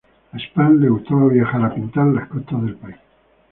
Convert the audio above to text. A Span le gustaba viajar a pintar las costas del país.